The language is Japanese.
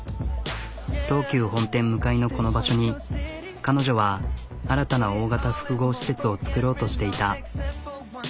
東急本店向かいのこの場所に彼女は新たな大型複合施設を造ろうとしていた。